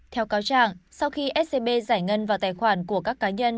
theo cáo trạng sau khi scb giải ngân vào tài khoản của các cá nhân